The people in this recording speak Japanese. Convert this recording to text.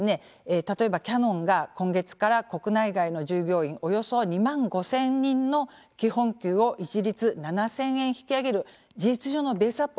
例えばキヤノンが今月から国内外の従業員およそ２万５，０００人の基本給を一律７，０００円引き上げる事実上のベースアップをですね